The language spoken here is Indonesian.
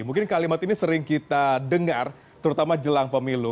mungkin kalimat ini sering kita dengar terutama jelang pemilu